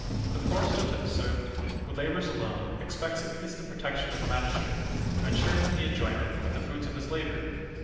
The poorest artificer, who labours alone, expects at least the protection of the magistrate, to ensure him the enjoyment of the fruits of his labour.